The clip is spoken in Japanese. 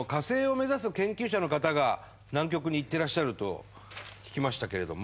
南極に行ってらっしゃると聞きましたけれども。